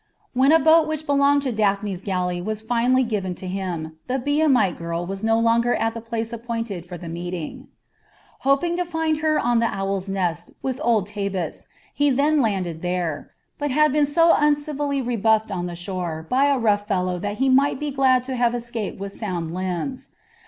When a boat which belonged to Daphne's galley was finally given to him, the Biamite girl was no longer at the place appointed for the meeting. Hoping to find her on the Owl's Nest with old Tabus, he then landed there, but had been so uncivilly rebuffed on the shore by a rough fellow that he might be glad to have escaped with sound limbs.